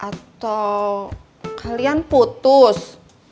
atau kalian putus